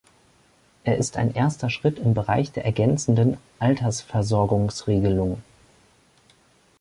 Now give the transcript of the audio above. Er ist ein erster Schritt im Bereich der ergänzenden Altersversorgungsregelung.